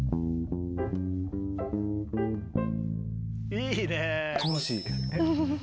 いいね。